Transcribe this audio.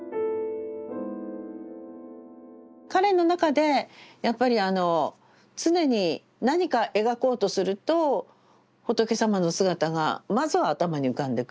彼の中でやっぱりあの常に何か描こうとすると仏様の姿がまずは頭に浮かんでくると。